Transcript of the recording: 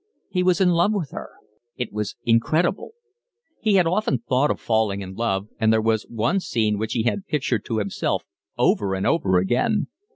He was in love with her. It was incredible. He had often thought of falling in love, and there was one scene which he had pictured to himself over and over again.